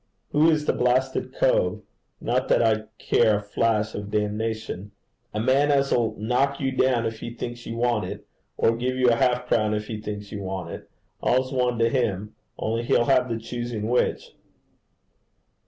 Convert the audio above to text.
'Who is the blasted cove? not that I care a flash of damnation.' 'A man as 'll knock you down if he thinks you want it, or give you a half a crown if he thinks you want it all's one to him, only he'll have the choosing which.'